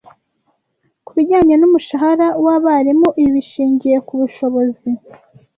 Ku bijyanye n'umushahara w'abarimu ibi bishingiye ku bushobozi